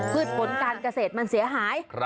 พืชผลการเกษตรมันเสียหาย